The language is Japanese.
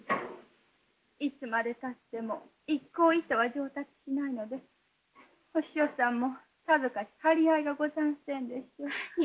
いつまでたっても一向糸は上達しないのでお師匠さんもさぞかし張り合いがござんせんでしょう。